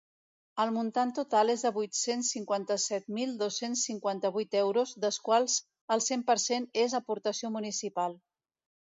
El muntant total és de vuit-cents cinquanta-set mil dos-cents cinquanta-vuit euros, dels quals el cent per cent és aportació municipal.